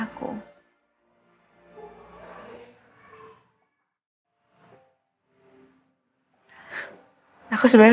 sekarang aku cuma hati hati